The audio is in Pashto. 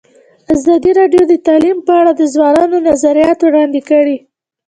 ازادي راډیو د تعلیم په اړه د ځوانانو نظریات وړاندې کړي.